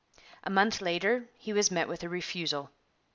A month later he was met with a refusal.